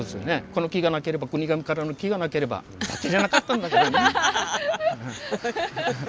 この木がなければ国頭からの木がなければ出来なかったんだからね。